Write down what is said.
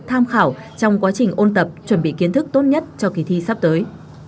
tham khảo trong quá trình ôn tập chuẩn bị kiến thức tốt nhất cho kỳ thi sắp tới